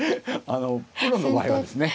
プロの場合はですね